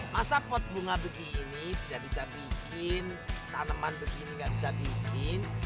masa pot bunga begini tidak bisa bikin tanaman begini nggak bisa bikin